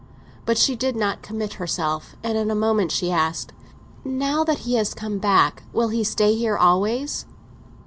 But she did not commit herself, and in a moment she asked: "Now that he has come back, will he stay here always?"